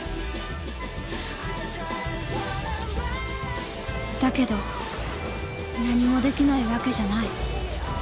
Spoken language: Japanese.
心の声だけど何もできないわけじゃない。